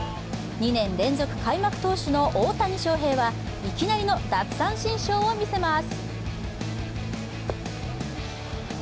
２年連続開幕投手の大谷翔平はいきなりの奪三振ショーを見せます。